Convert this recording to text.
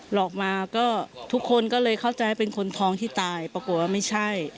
หลอกมาก็ทุกคนก็เลยเข้าใจว่าเป็นคนทองที่ตายปรากฏว่าไม่ใช่